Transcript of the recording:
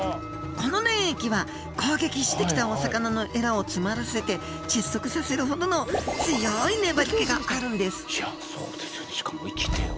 この粘液は攻撃してきたお魚のエラを詰まらせて窒息させるほどの強い粘り気があるんですいや